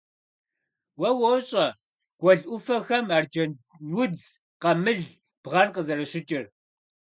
Уэ уощӀэ гуэл Ӏуфэхэм арджэнудз, къамыл, бгъэн къызэрыщыкӀыр.